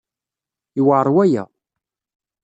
Yewɛeṛ waya.